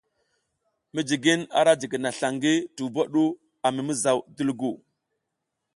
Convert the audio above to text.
Mijigin ara jigina sla ngi tubo ɗu a mimizaw dulgu.